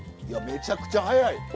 めちゃくちゃ早い。